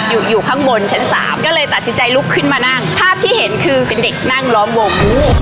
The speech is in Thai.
อยู่อยู่ข้างบนชั้นสามก็เลยตัดสินใจลุกขึ้นมานั่งภาพที่เห็นคือเป็นเด็กนั่งล้อมวง